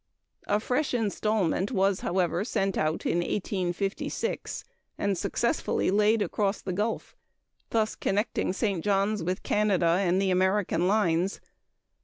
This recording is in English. A fresh instalment was, however, sent out in 1856, and successfully laid across the Gulf, thus connecting St. Johns with Canada and the American lines.